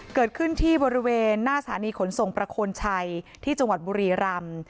เกิดขึ้นที่บริเวณหน้าสถานีขนส่งประโคนชัยที่จังหวัดบุรีรำ